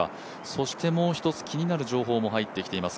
そしてもう一つ気になる情報も入ってきています。